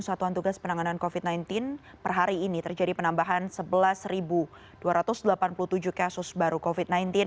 satuan tugas penanganan covid sembilan belas per hari ini terjadi penambahan sebelas dua ratus delapan puluh tujuh kasus baru covid sembilan belas